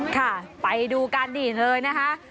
ค่ะไปดูกันนี่เลยนะคะ